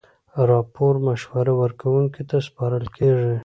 راپور مشوره ورکوونکي ته سپارل کیږي.